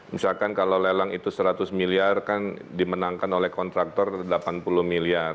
misalkan kalau lelang itu seratus miliar kan dimenangkan oleh kontraktor delapan puluh miliar